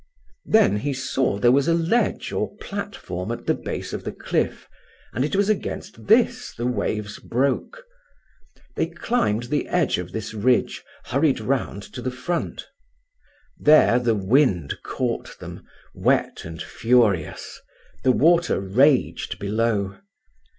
Then he saw there was a ledge or platform at the base of the cliff, and it was against this the waves broke. They climbed the side of this ridge, hurried round to the front. There the wind caught them, wet and furious; the water raged below.